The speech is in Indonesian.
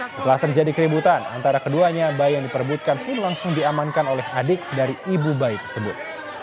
setelah terjadi keributan antara keduanya bayi yang diperbutkan pun langsung diamankan oleh adik dari ibu bayi tersebut